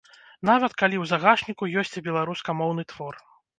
Нават калі ў загашніку ёсць і беларускамоўны твор.